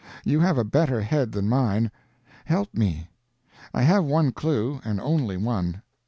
You have a better head than mine. Help me. I have one clue, and only one.